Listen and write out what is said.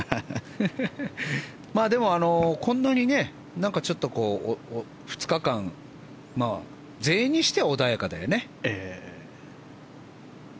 でも、こんなに２日間全英にしては穏やかだよね。